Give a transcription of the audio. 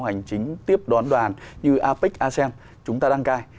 hành chính tiếp đón đoàn như apec asean chúng ta đăng cai